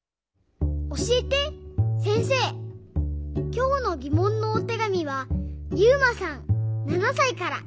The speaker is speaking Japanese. きょうのぎもんのおてがみはゆうまさん７さいから。